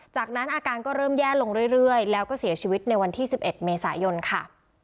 จากนั้นอาการก็เริ่มแย่ลงเรื่อยแล้วก็เสียชีวิตในวันที่๑๑เมษายนค่ะ